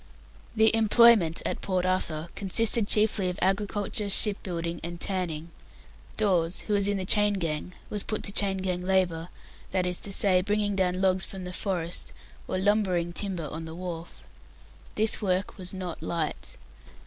"The "employment" at Port Arthur consisted chiefly of agriculture, ship building, and tanning. Dawes, who was in the chain gang, was put to chain gang labour; that is to say, bringing down logs from the forest, or "lumbering" timber on the wharf. This work was not light.